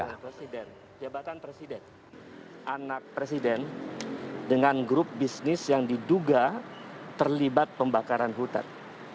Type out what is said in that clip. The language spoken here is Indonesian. anak presiden dengan grup bisnis yang diduga terlibat pembakaran hutan